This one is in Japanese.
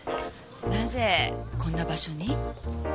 なぜこんな場所に？